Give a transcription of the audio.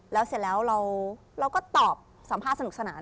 แล้วเสร็จแล้วเราก็ตอบสัมภาษณสนุกสนาน